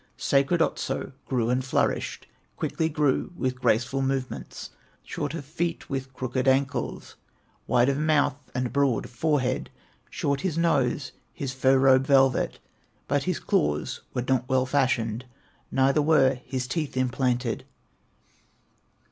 "Sacred Otso grew and flourished, Quickly grew with graceful movements, Short of feet, with crooked ankles, Wide of mouth and broad of forehead, Short his nose, his fur robe velvet; But his claws were not well fashioned, Neither were his teeth implanted.